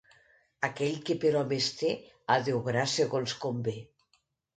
Aquell que per home es té, ha d'obrar segons convé.